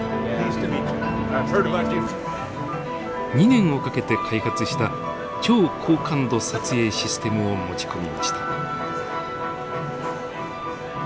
２年をかけて開発した超高感度撮影システムを持ち込みました。